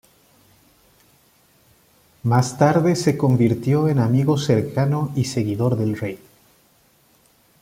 Más tarde se convirtió en amigo cercano y seguidor del rey.